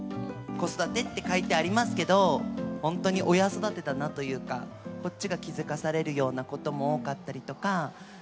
子育てって書いてありますけど、本当に親育てだなというか、こっちが気付かされるようなことも多かったりとか。